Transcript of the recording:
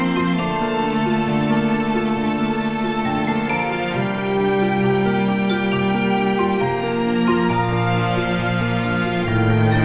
kenapa itu si tania